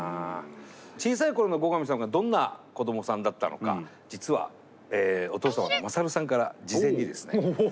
小さい頃の後上さんがどんな子どもさんだったのか実はお父様の勝さんから事前にですね。